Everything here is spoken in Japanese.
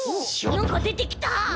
なんかでてきた！